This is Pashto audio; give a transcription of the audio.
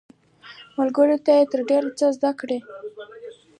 ملګرو یې ترې ډیر څه زده کړل.